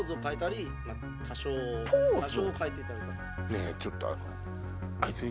ねぇちょっと。